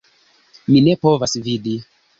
Mi ne povas vidi